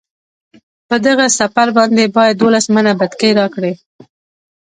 په دغه سپر باندې باید دولس منه بتکۍ راکړي.